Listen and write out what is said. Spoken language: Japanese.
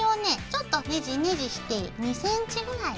ちょっとネジネジして２ｃｍぐらい。